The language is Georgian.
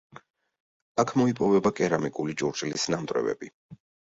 აქ მოიპოვება კერამიკული ჭურჭლის ნამტვრევები.